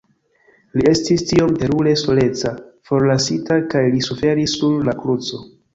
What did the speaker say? Li estis tiom terure soleca, forlasita kaj li suferis sur la kruco..